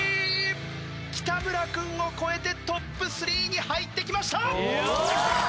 北村君を超えてトップ３に入ってきました。